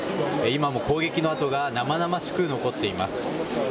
今も攻撃の跡が生々しく残っています。